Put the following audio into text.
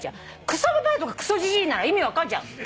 くそばばあとかくそじじいなら意味分かんじゃん。